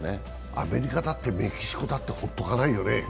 アメリカだってメキシコだって、放っておかないよね。